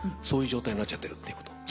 そういう状態になっちゃってるっていうこと？